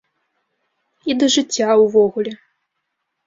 І да жыцця ўвогуле.